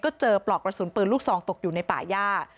ก็เจอปลอกกระสุนปืนลูกซองตกอยู่ในป่าย่า